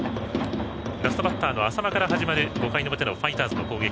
ラストバッターの淺間から始まる５回の表のファイターズの攻撃。